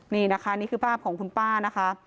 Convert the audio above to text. นี่นะคะนี่คือภาพของคุณป้านะคะ